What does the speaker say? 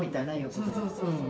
そうそうそうそう。